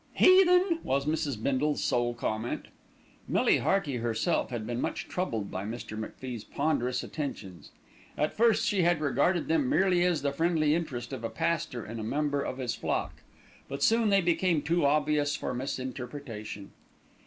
"Heathen!" was Mrs. Bindle's sole comment. Millie Hearty herself had been much troubled by Mr. MacFie's ponderous attentions. At first she had regarded them merely as the friendly interest of a pastor in a member of his flock; but soon they became too obvious for misinterpretation.